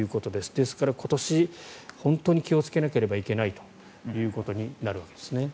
ですから、今年本当に気をつけなければいけないということになるわけですね。